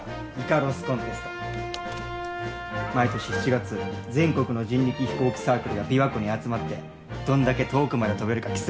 毎年７月全国の人力飛行機サークルが琵琶湖に集まってどんだけ遠くまで飛べるか競うんや。